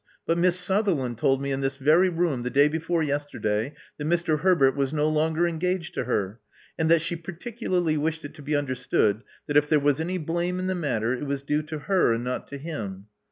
But Miss Sutherland told me in this very room the day before yesterday that Mr. Herbert was no longer engaged to her, and that she particularly wished it to be understood that if there was any blame in the matter, it was due to her and not to him.